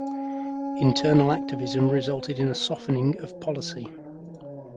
Internal activism resulted in a softening of policy.